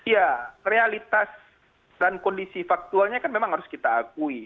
ya realitas dan kondisi faktualnya kan memang harus kita akui